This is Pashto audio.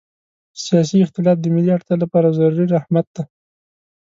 سیاسي اختلاف د ملي اړتیا لپاره ضروري رحمت ده.